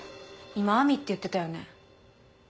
今「亜美」って言ってたよね？